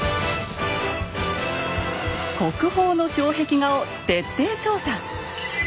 国宝の障壁画を徹底調査。